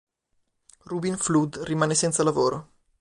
Rubin Flood rimane senza lavoro.